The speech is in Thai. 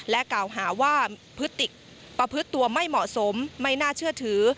กล่าวหาว่าพฤติประพฤติตัวไม่เหมาะสมไม่น่าเชื่อถือ